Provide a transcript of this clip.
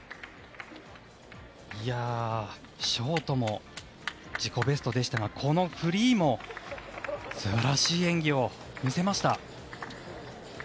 ショートも自己ベストでしたがこのフリーも素晴らしい演技を見せました。